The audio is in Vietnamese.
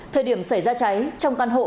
thời điểm xảy ra cháy trong căn hộ